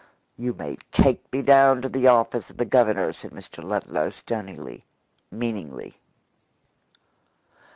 "You may take me down to the office of the Governor," said Mr. Ludlow stonily, meaningly.